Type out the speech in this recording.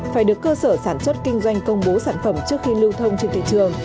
phải được cơ sở sản xuất kinh doanh công bố sản phẩm trước khi lưu thông trên thị trường